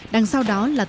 đằng sau đó là tính mạng